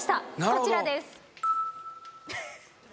こちらです。